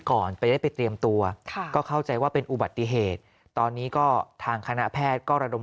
ก่อนไปได้ไปเตรียมตัวก็เข้าใจว่าเป็นอุบัติเหตุตอนนี้ก็ทางคณะแพทย์ก็ระดม